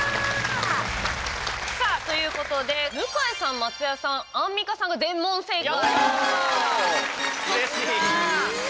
ということで向井さん、松也さんアンミカさんが全問正解。